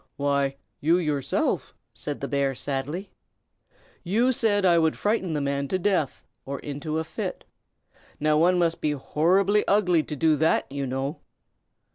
"Why, you yourself," said the bear, sadly. "You said I would frighten the man to death, or into a fit. Now, one must be horribly ugly to do that, you know."